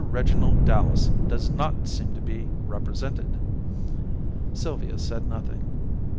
Reginald Dallas does not seem to be represented." Sylvia said nothing.